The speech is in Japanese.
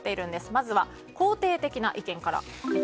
まずは肯定的な意見から。